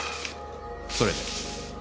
それで？